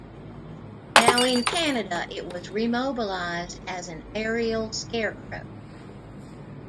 Now in Canada it was remobilized as an aerial scarecrow.